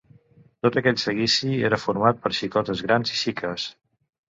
Tot aquell seguici era format per xicotes grans i xiques